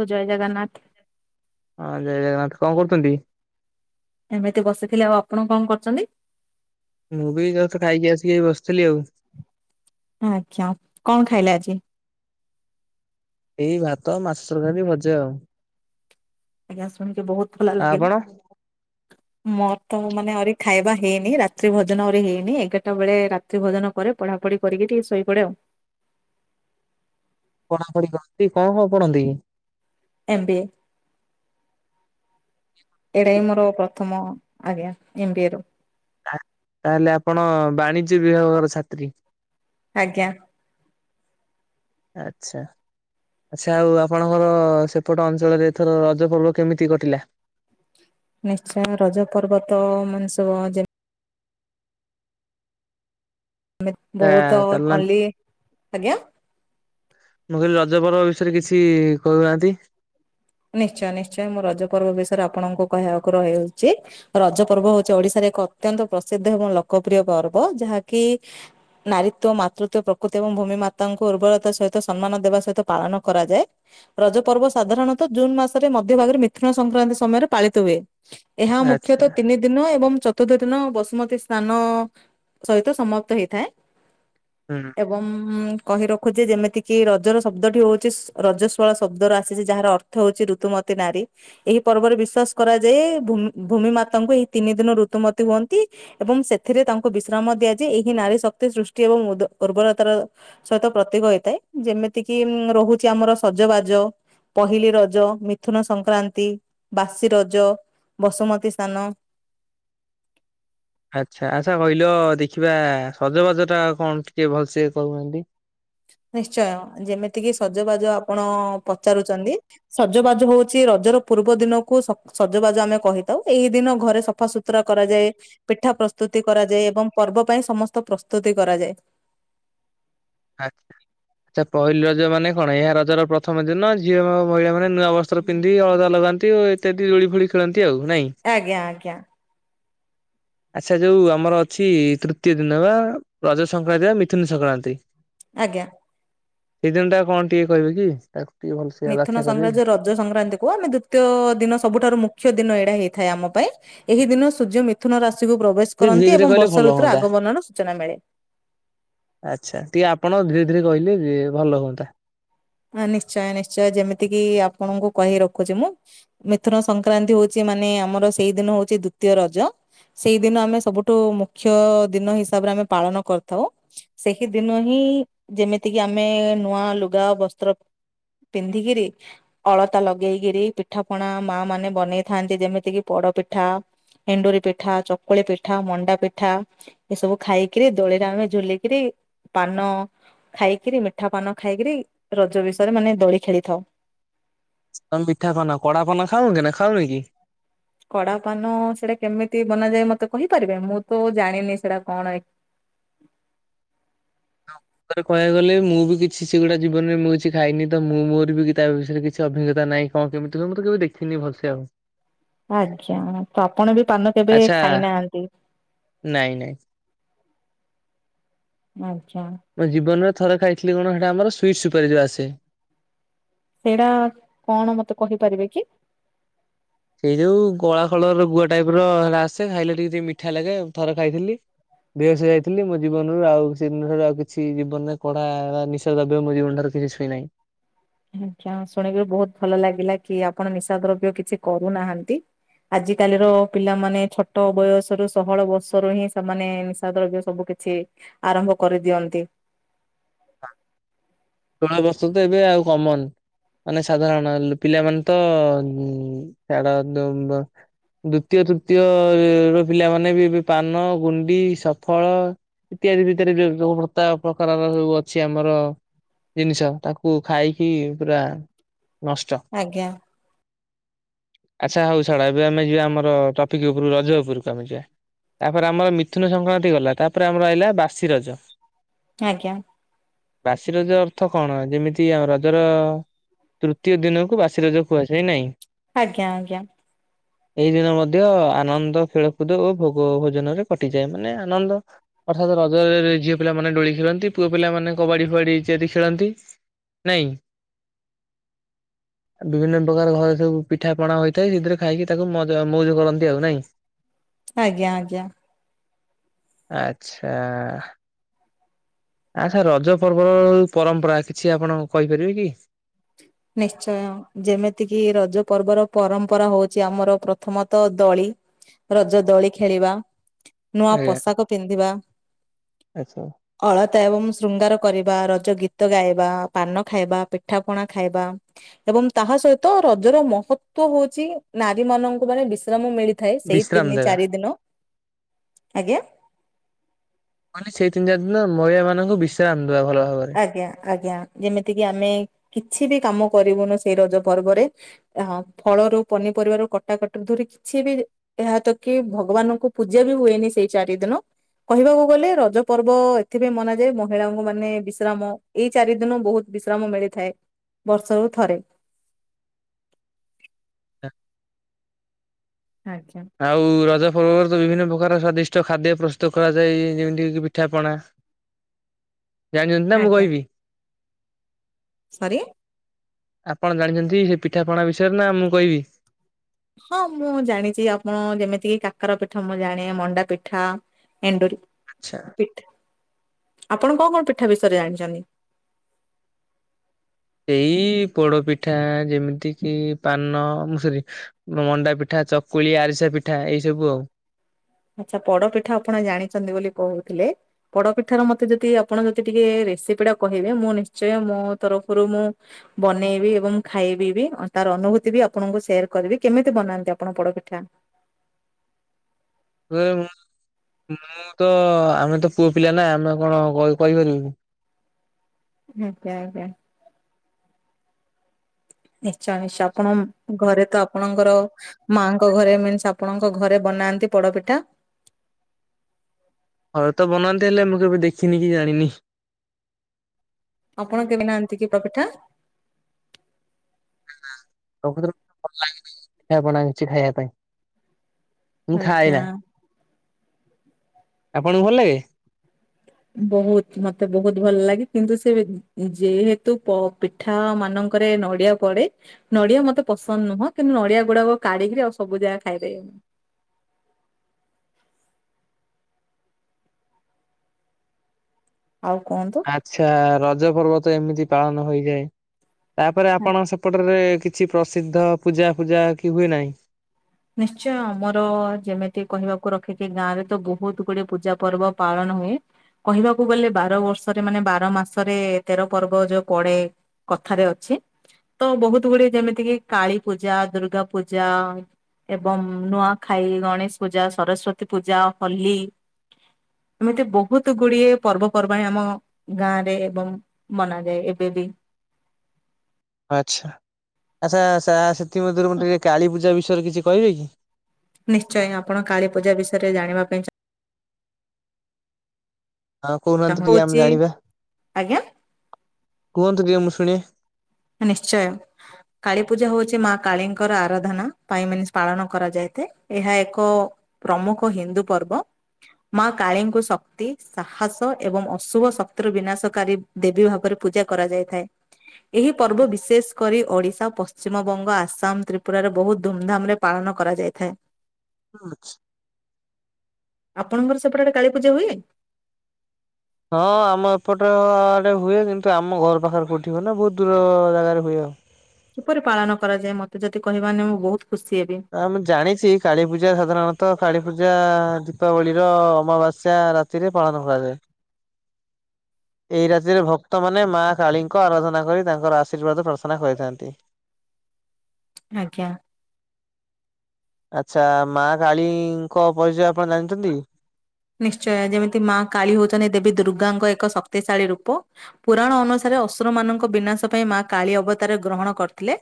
ବୁ ଜୟ ଜଗନ୍ନାଥ। ହଁ ଜୟ ଜଗନ୍ନାଥ। କଣ କରୁଛନ୍ତି? ଏବେ ତ ବସିଥିଲି। ଆଉ ଆପଣ କଣ କରୁଛନ୍ତି? ମୁଁ ବି ଖାଇକି ଆସିକି ବସିଥିଲି ଆଉ। ଆଚ୍ଛା। କଣ ଖାଇଲ ଆଜି? ଏଇ ଭାତ ମାଛ ତରକାରୀ ଭଜା ଆଉ। ଆଜ୍ଞା ଶୁଣିକି ବହୁତ ଭଲ ଆଉ ଆପଣ ଲାଗିଲା। ମୋର ତ ମାନେ ଆହୁରି ଖାଇବା ହେଇନି। ରାତ୍ରି ଭୋଜନ ଆହୁରି ହେଇନି ଏଗାରଟା ବେଳେ ରା ଭୋଜନ ପରେ ପଢା ପଢି କରିକି ଟିକେ ଶୋଇପଡ଼େ ଆଉ। ପଢ଼ାପଢ଼ି କରନ୍ତି, କଣ କଣ ପଢ଼ନ୍ତି? M B A. କି? ଏଡ଼ାଇ ମୋର ପ୍ର ପ୍ରଥମ ଆଜ୍ଞା ଏମ୍ ବି ଏ ରୁ। ତା ତାହେଲେ ଆପଣ ବାଣିଜ୍ୟ ବିଭାଗର ଛାତ୍ରୀ। ଆଜ୍ଞା। ଆଚ୍ଛା। ଆଚ୍ଛା, ଆଉ ଆପଣଙ୍କର ସେପଟ ଅଞ୍ଚଳରେ ଏଥର ରଜ ପର୍ବ କେମିତି କଟିଲା? ନିଶ୍ଚୟ ରଜ ପର୍ବ ତ ମଣିଷ ଯେମି ଆମେ ଆ ବହୁତ ଚାଲୁନାହାନ୍ତି ଓଲି, ଆଜ୍ଞା? ମୁଁ କହିଲି ରଜ ପର୍ବ ବିଷୟରେ କିଛି କହୁନାହାନ୍ତି? ନିଶ୍ଚୟ ନିଶ୍ଚୟ ମୁଁ ରଜ ପର୍ବ ବିଷୟରେ ଆପଣଙ୍କୁ କହିବାକୁ ରହିବା ଉଚିତ। ରଜ ପର୍ବ ହଉଛି ଓଡ଼ିଶାରେ ଏକ ଅତ୍ୟନ୍ତ ପ୍ରସିଦ୍ଧ ଏବଂ ଲୋକପ୍ରିୟ ପର୍ବ। ଯାହାକି ନାରୀତ୍ଵ, ମାତୃତ୍ୱ, ପ୍ରକୃତି ଏବଂ ଭୂମି ମାତାଙ୍କୁ ଉର୍ବରତା ସହିତ ସମ୍ମାନ ଦେବା ସହିତ ପାଳନ କରାଯାଏ। ରଜପର୍ବ ସାଧାରଣ ତଃ ଜୁନ୍ ମାସରେ ମଧ୍ୟ ଭାଗରେ ମିଥୁନ ସଂକ୍ରାନ୍ତି ସମୟରେ ପାଳିତ ହୁଏ। ଏହା ଆଚ୍ଛା ମୁଖ୍ୟତଃ ତିନି ଦିନ ଏବଂ ଚତୁର୍ଥ ଦିନ ବସୁମତୀ ସ୍ନାନ ସହିତ ସମାପ୍ତ ହେଇଥାଏ। ହୁଁ, ହୁଁ। ଏବଂ କହି ରଖୁଛି ଯେମିତିକିି ରଜର ଶବ୍ଦଟି ହଉଛି ସ ରଜସ୍ଵଳା ଶବ୍ଦରୁ ଆସିଛି, ଯାହାର ଅର୍ଥ ହଉଛି ଋତୁମତୀ ନାରୀ। ଏହି ପର୍ବରେ ବିଶ୍ଵାସ କରାଯାଏ, ଭୂମି ମାତାଙ୍କୁ ଏହି ତିନି ଦିନ ଋତୁମତୀ ହୁଅନ୍ତି ଏବଂ ସେଥିରେ ତାଙ୍କୁ ବିଶ୍ରାମ ଦିଆଯାଏ। ଏହି ନାରୀ ଶକ୍ତି, ସୃଷ୍ଟି ଏବଂ ଉବ ଉର୍ବରତାର ସହିତ ପ୍ରତୀକ ହେଇଥାଏ। ଯେମିତିକିି ରହୁଛି ଆମର ସଜବାଜ, ପହିଲି ର ଜ, ମିଥୁନ ସଂକ୍ରାନ୍ତି, ବାସି ରଜ, ବସୁମତୀ ସ୍ନାନ। ଆଚ୍ଛା, ଆଚ୍ଛା କହିଲ ଦେଖିବା ସଜବାଜ ଟା କଣ ଟିକେ ଭଲସେ କହୁନାହାନ୍ତି? ନିଶ୍ଚୟ। ଯେମିତିକି ସଜବାଜ ଆପଣ ପଚାରୁଛନ୍ତି। ସଜବାଜ ହଉଛି ରଜର ପୂର୍ବ ଦିନକୁ ସ ସଜବାଜ ଆମେ କହିଥାଉ। ଏହି ଦିନ ଘରେ ସଫାସୁତ ର କରାଯାଏ, ପିଠା ପ୍ରସ୍ତୁତି କରାଯାଏ ଏବଂ ପର୍ବ ପାଇଁ ସମସ୍ତ ପ୍ରସ୍ତୁତି କରାଯାଏ। ଆଚ୍ଛା, ଆଚ୍ଛା ପହିଲି ରଜ ମାନେ କଣ? ଏହା ରଜର ପ୍ରଥମ ଦିନ ଝିଅ ଏବଂ ମହିଳା ମାନେ ନୂଆ ବସ୍ତ୍ର ପିନ୍ଧି ଅଳଦା ଲଗାନ୍ତି ଓ ଏକାଠି ଦୋଳି ଫୁଳି ଖେଳନ୍ତି ଆଉ ନାଇଁ। ଆଜ୍ଞା, ଆଜ୍ଞା। ଆଚ୍ଛା ଯୋଉ ଆମର ଅଛି ତୃତୀୟ ଦିନ ବା ରଜ ସଂକ୍ରାନ୍ତି ବା ମିଥୁନ ସଂକ୍ରାନ୍ତି। ଆଜ୍ଞା। ଏଇ ଦିନ ଟା କଣ ଟିକେ କହିବେ କି? [inaudible] ମିଥୁନ କରିବେ କି? ସଂକ୍ରାଯ୍ୟ ରଜ ସଂକ୍ରାନ୍ତି କୁ ଆମେ ଦ୍ଵିତୀୟ ଦିନ ସବୁଠାରୁ ମୁଖ୍ୟ ଦିନ ଏଇଟା ହେଇଥାଏ ଆମ ପାଇଁ। ଏହି ଦିନ ସୂର୍ଯ୍ୟ ମିଥୁନ ରାଶିକୁ ପ୍ରବେଶ ଟିକେ ଧୀରେ କରନ୍ତି ଧୀରେ ଏବଂ କହିଲେ ବର୍ଷା ଭଲ ଋତୁର ହୁଅନ୍ତା ଆଗମନର ସୂଚନା ମିଳେ। ଆଚ୍ଛା, ଟିକେ ଆପଣ ଧୀରେ ଧୀରେ କହିଲେ ଭଲ ହୁଅନ୍ତା। ନିଶ୍ଚୟ, ନିଶ୍ଚୟ ଯେମିତିକି, ଆପଣଙ୍କୁ କହି ରଖୁଛି ମୁଁ। ମିଥୁନ ସଂକ୍ରାନ୍ତି ହଉଛି ମାନେ ଆମର ସେଇ ଦିନ ହଉଛି ଦ୍ଵିତୀୟ ରଜ। ସେଇଦିନ ଆମେ ସବୁଠୁ ମୁଖ୍ୟ ଦିନ ହିସାବରେ ଆମେ ପାଳନ କରିଥାଉ। ସେହିଦିନ ହିଁ ଯେମିତିକି ଆମେ ନୂଆ ଲୁଗା, ବସ୍ ସ୍ତ୍ର ପିନ୍ଧିକିରି ଅଳତା ଲଗେଇକିରି, ପିଠା ପଣା ମା ମାନେ ବନେଇଥାନ୍ତି। ଯେମିତି କିି ପୋଡପିଠା ଏଣ୍ଡୁରି ପିଠା, ଚକୁଳି ପିଠା, ମଣ୍ଡା ପିଠା। ଏସବୁ ଖାଇକିରି, ଦୋଳିରେ ଆମେ ଝୁଲିକିରି ପାନ ଖାଇକିରି ମିଠା ପାନ ଖାଇକିରି ରଜ ବିଷୟରେ ମାନେ ଦୋଳି ଖେଳିଥାଉ। ତୋମେ ମିଠା ପାନ, କଡା ପାନ ଖାଉନି ନା ଖାଉନି କି? କଡା ପାନ ସେଟା କେମିତି ବନାଯାଏ ମୋତେ କହିପାରିବେ? ମୁଁ ତ ଜାଣିନି ସେଟା କଣ ଏ ନୋ ତୋତେ କହିବାକୁ ଗଲେ ମୁଁ ବି କିଛି ସେଗୁଡା ଜୀବନରେ ମୁଁ କିଛି ଖାଇନି, ତ ମୁଁ ମୋର ବି କି ତା ବିଷୟରେ କିଛି ଅଭିଜ୍ଞତା ନାହିଁ। କଣ କେମିତି ହୁଏ, ମୁଁ ତ କେବେ ଦେଖିନି ଭଲସେ ଆଉ। ଆଜ୍ଞା, ତ ଆପଣ ବି ପାନ କେବେ ଆଚ୍ଛା ଖାଇନାହାନ୍ତି? ନାଇଁ, ନାଇଁ। ଆଚ୍ଛା। ମୋ ଜୀବନରେ ଥରେ ଖାଇଥିଲି କଣ ସେଟା ଆମର ସୁଇଟ୍ସ ସୁପାରି ଯୋଉ ଆସେ। ସେଇଟା କଣ ମୋତେ କହିପାରିବେ କି। ସେଇ ଯୋଉ କଳା କଲର ର ଗୁଆ ଟାଇପୂ ର ସେଟା ଆସେ ଖାଇଲେ ଟିକେ ଟିକେ ମିଠା ଲାଗେ ଆଉ ଥରେ ଖାଇଥିଲି। ବେହସ ହେଇ ଯାଇଥିଲି ମୋ ଜୀବନରୁ ଆଉ ସେ ଦିନ ଠାରୁ ଆଉ କିଛି ଜୀବନରେ କଡା ନିଶାଦ୍ରବ୍ୟ ମୋ ଜୀବନ ଠାରୁ କେବେ ଛୁଇଁନାଇ। ଆଜ୍ଞା ଶୁଣିକି ବହୁତ ଭଲ ଲାଗିଲା କି ଆପଣ ନିଶାଦ୍ରବ୍ୟ କିଛି କରୁନାହାନ୍ତି। ଆଜିକାଲିର ପିଲାମାନେ ଛୋଟ ବୟସରୁ ଷୋହଳ ବର୍ଷରୁ ହିଁ ସେମାନେ ନିଶା ଦ୍ରବ୍ୟ ସବୁ କିଛି ଆରମ୍ଭ କରିଦିଅନ୍ତି। ଷୁଳ ବର୍ଷ ରୁ ତ ଏବେ ଆଉ କମନ୍। ମାନେ ସାଧାରଣ ଲ-ପିଲାମାନେ ତ ଉଁ, ଛାଡ ଦଉଡ ଦ୍ଵିତୀୟ ତୃତୀୟ ର ପିଲାମାନେ ବି ଏବେ ପାନ, ଗୁଣ୍ଡି, ସଫଳ ଇତ୍ୟାଦି ଭିତରେ ଯୋଉ ଯୋଉ ଭତା ପ୍ରକାରର ସବୁ ଅଛି ଆମର। ଜିନିଷ ତାକୁ ଖାଇକି ପୁରା ନଷ୍ଟ। ଆଜ୍ଞା। ଆଚ୍ଛା ହଉ ଛାଡ ଏବେ ଆମେ ଯିବା ଆମର ଟପିକ୍ ଉପରୁ ରଜ ଉପରକୁ ଆମେ ଯିବା। ତାପରେ ଆମର ମିଥୁନ ସଂକ୍ରାନ୍ତି ଗଲା, ତାପରେ ଆମର ଆଇଲା ବାସି ରଜ। ଆଜ୍ଞା। ବାସି ରଜ ଅଥ କଣ ଯେମିତି ଆ, ରଜର ତୃତୀୟ ଦିନକୁ ବାସି ରଜ କୁହାଯାଏ ନାଇଁ? ଆଜ୍ଞା, ଆଜ୍ଞା। ଏଇ ଦିନ ମଧ୍ୟ ଆନନ୍ଦ ଖେଳକୁଦ ଓ ଭୋଗ ଭୋଜନରେ କଟିଯାଏ, ମାନେ ଆନନ୍ଦ ଅର୍ଥାତ୍ ରଜରେ ଝିଅ ପିଲାମାନେ ଡୋଳି ଖେଳନ୍ତି, ପୁଅ ପିଲାମାନେେ କବାଡି ଫବାଡି ଇତ୍ୟାଦି। ଖେଳନ୍ତି ନାଇଁ? ଆ। ବିଭିନ୍ନ ପ୍ରକାର ଘରେ ସବୁ ପିଠା ପଣା ହୋଇଥାଏ ସେଥିରେ ଖାଇକି ତାକୁ ମଜା ମଉଜ କରନ୍ତି ଆଉ, ନାଇଁ? ଆଜ୍ଞା, ଆଜ୍ଞା। ଆଚ୍ଛା। ଆଚ୍ଛା ରଜ ପର୍ବର ପରମ୍ପରା କିଛି ଆପଣ କହିପାରିବେ କି? ନିଶ୍ଚୟ। ଯେମିତିକି ରଜ ପର୍ବର ପରମ୍ପରା ହଉଛି ଆମର ପ୍ରଥମତଃ ଦୋଳି। ରଜ ଦୋଳି ଖେଳିବା, ନୂଆ ଆଜ୍ଞା ପୋଷାକ ପିନ୍ଧିବା। ଆଚ୍ଛା। ଅଳତା ଏବଂ ଶୃଙ୍ଗାର କରିବା ରଜ ଗୀତ ଗାଇବା, ପାନ ଖାଇବା, ପିଠାପଣା ଖାଇବା। ଏବଂ ତାହା ସହିତ ରଜର ମହତ୍ତ୍ବ ହଉଛି ନାରୀ ମାନଙ୍କୁ ମାନେ ବିଶ୍ରାମ ମିଳି ଥାଏ, ସେଇ ବିଶ୍ରାମ ତିନି ଦେବା ଚାରି ଦିନ, ଆଜ୍ଞା। ମାନେ ସେଇ ତିନ ଚାରି ଦିନ ହେଲା ମହିଳା ମାନଙ୍କୁ ବିଶ୍ରାମ ଦେବା ଭଲ ଭାବରେ। ଆଜ୍ଞା ଆଜ୍ଞା ଯେମିତିକି ଆମେ କିଛି ବି କାମ କରିବୁନୁ ସେଇ ରଜ ପର୍ବରେ। ହଁ ଫଳ ର ପନିପରିବା ରୁ କଟାକଟି ଧରି କିଛି ବି ଏହା ତ କି ଭଗବାନଙ୍କୁ ପୂଜା ବି ହୁଏନି ସେଇ ଚାରି ଦିନ। କହିବାକୁ ଗଲେ ରଜ ପର୍ବ ଏଥିପାଇଁ ମନାଯାଏ ମହିଳାଙ୍କୁ ମାନେ ବି ବିଶ୍ରାମ ଏଇ ଚାରି ଦିନ ବହୁତ ବିଶ୍ରାମ ମିଳିଥାଏ ବର୍ଷକୁ ଥରେ। ଆଜ୍ଞା। ଆଉ ରଜ ପର୍ବରେ ତ ବିଭିନ୍ନ ପ୍ରକାର ସ୍ଵାଦିଷ୍ଟ ଖାଦ୍ୟ ପ୍ରସ୍ତୁତ କରାଯାଏ ଯେମିତି କି ପିଠାପଣା। [unintelligible] ଜାଣିଚନ୍ତି ନା ମୁଁ ଆଜ୍ଞା କହିବି ସରି ଆପଣ ଜାଣିଛନ୍ତି ସେ ପିଠାପଣା ବିଷୟରେ ନା ମୁଁ କଇବି ହଁ ମୁଁ ଜାଣିଛି ଆପଣ ଯେମିତି କିି କାକର ପିଠା ମୁଁ ଜାଣେ ମଣ୍ଡା ପିଠା ଏଣ୍ଡୁରି ଆଛା। ପିଠ ଆପଣ କଣ କଣ ପିଠା ବିଷୟରେ ଜାଣିଚନ୍ତି? ଇଇ ପୋଡ ପିଠା ଯେମିତି କିି ପାନ ମୁ ସରି ମଣ୍ଡା ପିଠା ଚକୁଳି ଆରିସା ପିଠା ଏଇ ସବୁ ଆଉ। ଆଛା ପଡପିଠା ଆପଣ ଜାଣିଛନ୍ତି ବୋଲି କହୁଥିଲେ। ପୋଡ଼ପିଠାର ମତେ ଯଦି ଆପଣ ଯଦି ଟିକେ ରେସିପି ଟା କହିବେ ମୁଁ ନିଶ୍ଚୟ ମୋ ତରଫରୁ ମୁଁ ବନେଇବି ଏବଂ ଖାଇବି ବି ତାର ଅନୁଭୂତି ବି ଆପଣଙ୍କୁ ସେୟାର କରିବି କେମିତି ବନାନ୍ତି ଆପଣ ପୋଡପିଠା? ମୁଁ ତ ଆମେ ତ ପୁଅ ପିଲା ନା ଆମେ କଣ କହିପାରିବୁନି? ଆଜ୍ଞ ଆଜ୍ଞା। ନିଶ୍ଚୟ ନିଶ୍ଚୟ ଆପଣ ଘରେ ତ ଆପଣଙ୍କର ମାଙ୍କ ଘରେ ମିନ୍ସ ଆପଣଙ୍କ ଘରେ ବନାନ୍ତି ପୋଡପିଠା। ଘରେ ତ ବନାନ୍ତି ହେଲେ ମୁଁ କେବେ ଦେଖିନି କି ଜାଣିନି। ଆପଣ କିମି ନାହାନ୍ତି କି ପ୍ରପିଠା? ତମ ଭିତରୁ ଖାଇବା ବଢ଼ାହେଇଚି ଖାଇବା ପାଇଁ ମୁଁ ଆଜ୍ଞା। ଖାଏନା। ଆପଣଙ୍କୁ ଭଲ ଲାଗେ ବୋହୁତ ମତେ ବୋହୁତ ଭଲ ଲାଗେ କିନ୍ତୁ ସେ ଯେହେତୁ ପ ପିଠା ମାନଙ୍କରେ ନଡିଆ ପଡେ। ନଡ଼ିଆ ମତେ ପସନ୍ଦ ନୁହଁ କିନ୍ତୁ ନଡିଆ ଗୁଡାକ କାଢ଼ିକି ଆଉ ସବୁ ଜାଗା ଖାଇଦିଏ। ଆଉ କଣ? ଆଛା ରଜ ପର୍ବ ତ ଏମିତି ପାଳନ ହୋଇଯାଏ ତାପରେ ଆପଣ ସେପଟରେ କିଛି ପ୍ରସିଦ୍ଧ ପୂଜା ଫୂଜା କି ହୁଏ ନାହିଁ? ନିଶ୍ଚୟ ଆମର ଯେମିତି କହିବାକୁ ରଖିକି ଗାଁ ରେ ତ ବହୁତ ଗୁଡିଏ ପୂଜା ପର୍ବ ପାଳନ ହୁଏ। କହିବାକୁ ଗଲେ ବାର ବର୍ଷରେ ମାନେ ବାର ମାସରେ ତେର ପର୍ବ ଯୋଉ ପଡେ। କଥାରେ ଅଛି ତ ବହୁତ ଗୁଡିଏ ଯେମିତିକି କାଳୀ ପୂଜା ଦୁର୍ଗା ପୂଜା ଏବଂ ନୂଆଖାଇ ଗଣେଶ ପୂଜା ସରସ୍ଵତୀ ପୂଜା ହୋଲି। ଏମିତି ବୋହୁତ ଗୁଡିଏ ପର୍ବପର୍ବାଣି ଆମ ଗାଁରେ ଏବଂ ବନାଯାଏ ଏବେ ବି। ଆଛା ଆଛା ସା ସେଥିମଧ୍ୟରୁ ମାନେ ଟିକେ କାଳୀପୂଜା ବିଷୟରେ କିଛି କହିବେ କି? ନିଶ୍ଚୟ ଆପଣ କାଳୀ ପୂଜ ବିଷୟରେ ଜାଣିବା ପାଇଁ ଚା ହଁ କୁହନ୍ତୁ ଟିକେ ଆମେ ଚାହୁଁଛି ଜାଣିବା ଆଜ୍ଞା କୁହନ୍ତୁ ଟିକେ ମୁଁ ଶୁଣେ। ନିଶ୍ଚୟ। କାଳୀ ପୂଜା ହଉଛି ମା କାଳୀଙ୍କର ଆରାଧନା ପାଇଁ ମିନ୍ସ ପାଳନ କରାଯାଇଥାଏ ଏହା ଏକ ପ୍ରମୁଖ ହିନ୍ଦୁ ପର୍ବ। ମା କାଳୀଙ୍କୁ ଶକ୍ତି ସାହସ ଏବଂ ଅଶୁଭ ଶକ୍ତିର ବିନାଶକାରୀ ଦେବୀ ଭାବରେ ପୂଜା କରାଯାଇଥାଏ ଏହି ପର୍ବ ବିଶେଷ କରି ଓଡ଼ିଶା ପଶ୍ଚିମବଙ୍ଗ ଆସାମ ତ୍ରିପୁରାରେ ବହୁତ ଧୁମଧାମ ରେ ପାଳନ କରାଯାଇଥାଏ। ହଁଛ ଆପଣଙ୍କର ସେପଟେ ଆଡ଼େ କାଳୀପୂଜା ହୁଏ। ହଁ ଆମ ଏପଟ ଆଡେ ହୁଏ କିନ୍ତୁ ଆମ ଘର ପାଖରେ କୋଉଠିି ହୁଏ ନା ବହୁତ ଦୂର ଜାଗାରେ ହୁଏ ଆଉ। କିପରି ପାଳନ କରାଯାଏ ମତେ ଯଦି କହିବା ନେ ମୁଁ ବହୁତ ଖୁସି ହେବି। ଆ ମୁଁ ଜାଣିଛି କାଳୀପୂଜା ସାଧାରଣତଃ କାଳୀପୂଜା ଦୀପାବଳିର ଅମାବାସ୍ୟା ରା ତିରେ ପାଳନ କରାଯାଏ। ଏଇ ରାତିରେ ଭକ୍ତମାନେ ମା କାଳୀଙ୍କ ଆରାଧନା କରି ତାଙ୍କର ଆଶୀର୍ବାଦ ପ୍ରାର୍ଥନା କରିଥାନ୍ତି। ଆଜ୍ଞା। ଆଚ୍ଛା ମା କାଳୀ ଙ୍କ ପରିଚୟ ଆପଣ ଜାଣିଚନ୍ତି? ନିଶ୍ଚୟ ଯେମିତି ମା କାଳୀ ହୋଉଚନ୍ତି ଦେବୀ ଦୁର୍ଗାଙ୍କ ଏକ ଶକ୍ତିଶାଳୀ ରୂପ। ପୁରାଣ ଅନୁସାରେ ଅଶୁର ମାନଙ୍କ ବିନାଶ ପାଇଁ ମା କାଳୀ ଅବତାର ଗ୍ରହଣ କରିଥିଲେ।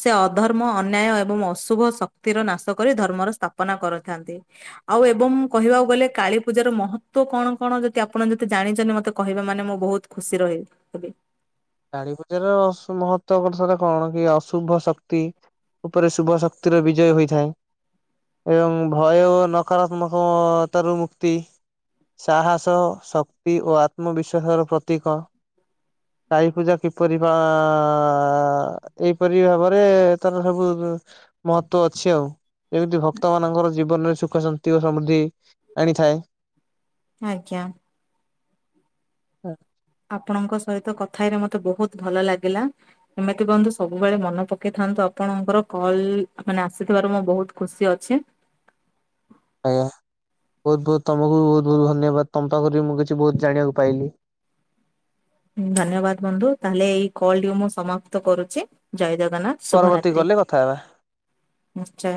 ସେ ଅଧର୍ମ ଅନ୍ୟାୟ ଏବଂ ଅଶୁଭ ଶକ୍ତିର ନାଶ କରି ଧର୍ମର ସ୍ଥାପନା କରିଥାନ୍ତି। ଆଉ ଏବଂ କହିବାକୁ ଗଲେ କାଳି ପୂଜାର ମହତ୍ଵ କଣ କଣ ଯଦି ଆପଣ ଯଦି ଜାଣିଛନ୍ତି ମୋତେ କହିବେ ମାନେ ମୁଁ ବହୁତ ଖୁସି ରହି ହେବିି। କାଣୀ ପୂଜାର ସ ମହତ୍ଵ ବର୍ଷର କଣ କି ଅଶୁଭ ଶକ୍ତି ଉପରେ ଶୁଭ ଶକ୍ତିର ବିଜୟ ହୋଇଥାଏ। ଏବଂ ଭୟ ନକାତ୍ମକତାରୁ ମୁକ୍ତି। ସାହସ ଶକ୍ତି ଓ ଆତ୍ମବିଶ୍ଵାସର ପ୍ରତୀକ। କାଈ ପୂଜା କିପରି ବା ଏଇପରି ଭାବରେ ତାର ସବୁ ମହତ୍ଵ ଅଛି ଆଉ ଯେମିତି ଭକ୍ତମାନଙ୍କର ଜୀବନରେ ସୁଖ ଶାନ୍ତି ଓ ସମୃଦ୍ଧି ଆଣିଥାଏ। ଆଜ୍ଞା। ଆପଣଙ୍କ ସହିତ କଥାଇରେ ମତେ ବହୁତ ଭଲ ଲାଗିଲା। ଏମିତି କରନ୍ତୁ ସବୁବେଳେ ମନେ ପକେଇଥାନ୍ତୁ ଆପଣଙ୍କର କଲ ମାନେ ଆସିଥିବାରୁ ମୁଁ ବହୁତ ଖୁସି ଅଛି। ଆଜ୍ଞା ବହୁତ ବହୁତ ତମକୁ ବି ବହୁତ ବହୁତ ଧନ୍ୟବାଦ ତମ ପାଖରୁ ବି ମୁଁ କିଛି ବହୁତ ଜାଣିବାକୁ ପାଇଲି। ହୁଁ ଧନ୍ୟବାଦ ବନ୍ଧୁ ତାହେଲେ ଏଇ କଲ ଟି ମୁଁ ସମାପ୍ତ କରୁଛି ଜୟ ଜଗନ୍ନାଥ। ଶୁଭ ପରବର୍ତ୍ତୀ ରାତ୍ରୀ କଲେ କଥା ହେବା। ନିଶ୍ଚୟ।